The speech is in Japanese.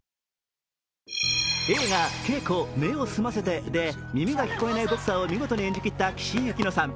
映画「ケイコ目を澄ませて」で耳が聞こえないボクサーを見事に演じきった岸井ゆきのさん。